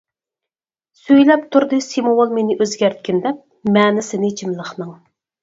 سۈيلەپ تۇردى سىمۋول مېنى ئۆزگەرتكىن دەپ مەنىسىنى جىملىقنىڭ.